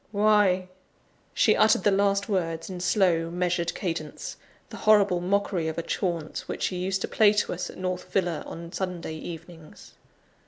why!" She uttered the last words in slow, measured cadence the horrible mockery of a chaunt which she used to play to us at North Villa, on Sunday evenings.